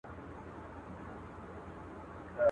کټورى که مات سو، که نه سو، ازانگه ئې ولاړه.